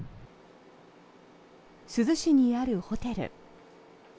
珠洲市にあるホテル。